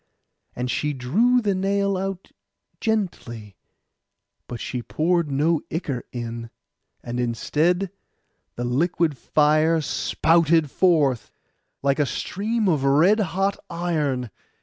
And she drew the nail out gently, but she poured no ichor in; and instead the liquid fire spouted forth, like a stream of red hot iron.